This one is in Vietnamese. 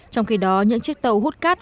trong khi đó những chiếc tàu hút cát